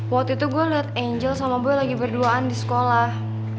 waktu itu gue liat angel sama gue lagi berduaan di sekolah